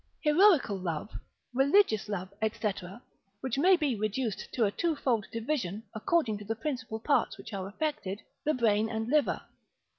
Heroical love, religious love, &c. which may be reduced to a twofold division, according to the principal parts which are affected, the brain and liver.